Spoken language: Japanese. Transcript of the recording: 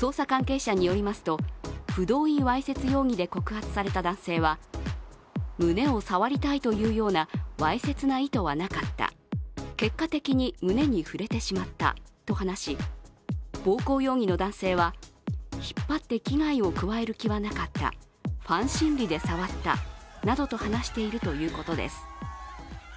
捜査関係者によりますと不同意わいせつ容疑で告発された男性は胸を触りたいというようなわいせつな意図はなかった、結果的に胸に触れてしまったと話し、暴行容疑の男性は、引っ張って危害を加える気はなかった、ファン心理で触ったなどと話しているということです。